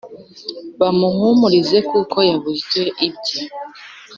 Bamuhumurize kuko yabuze ibye